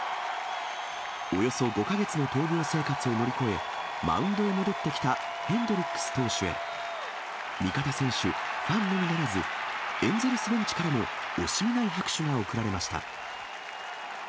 およそ５か月の闘病生活を乗り越え、マウンドに戻ってきたヘンドリックス投手へ、味方選手、ファンのみならず、エンゼルスベンチからも惜しみない拍手が送られました。